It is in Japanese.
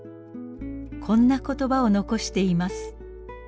こんな言葉を残しています。